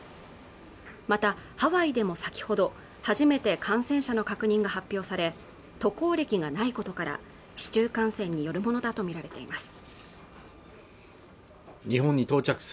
またハワイでも先ほど初めて感染者の確認が発表され渡航歴がないことから市中感染によるものだとみられています